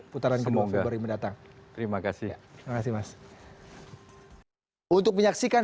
putaran kedua februari mendatang semoga terima kasih